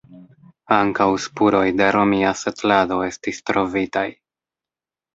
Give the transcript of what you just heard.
Ankaŭ spuroj de romia setlado estis trovitaj.